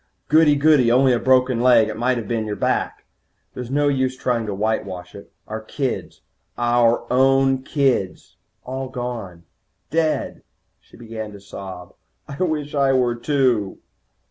'Goody, goody, only a broken leg. It might have been your back.' There's no use trying to whitewash it. Our kids, our own kids, all gone. Dead." She began to sob. "I wish I were, too."